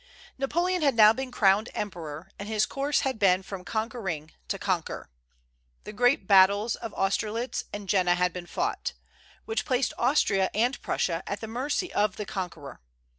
Napoleon had now been crowned emperor, and his course had been from conquering to conquer. The great battles of Austerlitz and Jena had been fought, which placed Austria and Prussia at the mercy of the conqueror.